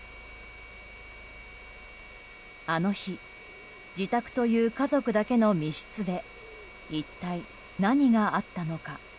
あの日自宅という家族だけの密室で一体何があったのか。